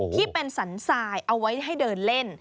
ที่เป็นสันทรายเอาไว้ให้เดินเล่น